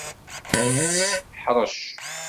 Ḥrec!